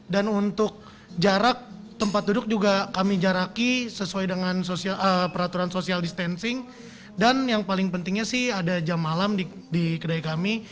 dan untuk jarak tempat duduk juga kami jaraki sesuai dengan peraturan social distancing dan yang paling pentingnya sih ada jam malam